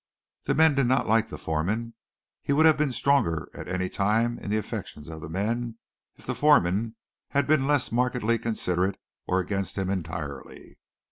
The men did not like the foreman. He would have been stronger at any time in the affections of the men if the foreman had been less markedly considerate or against him entirely.